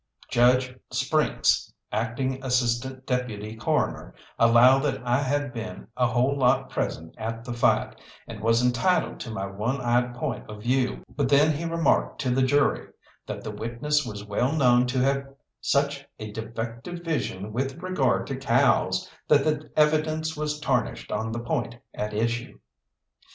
Judge Sprynkes, Acting Assistant Deputy Coroner, allowed that I had been a whole lot present at the fight, and was entitled to my one eyed point of view; but then, he remarked to the jury that the witness was well known to have such a defective vision with regard to cows that the evidence was tarnished on the point at issue.